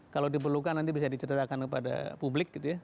kalau diperlukan nanti bisa diceritakan kepada publik gitu ya